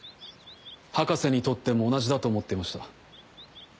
博士にとっても同じだと思っていました。